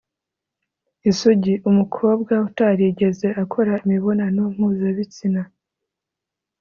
isugi: umukobwa, utarigeze akora imibonano mpuzabitsina.